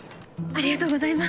ありがとうございます。